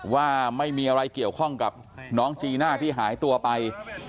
ว่าไม่มีอะไรเกี่ยวข้องกับน้องจีน่าที่หายตัวไป